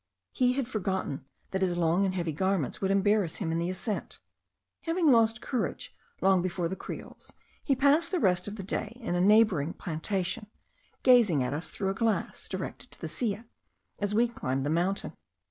He had forgotten that his long and heavy garments would embarrass him in the ascent. Having lost courage long before the creoles, he passed the rest of the day in a neighbouring plantation, gazing at us through a glass directed to the Silla, as we climbed the mountain.